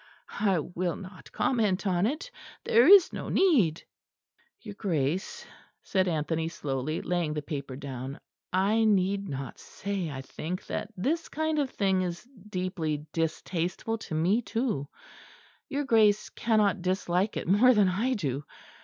I will not comment on it; there is no need." "Your Grace," said Anthony slowly, laying the paper down, "I need not say, I think, that this kind of thing is deeply distasteful to me too. Your Grace cannot dislike it more than I do.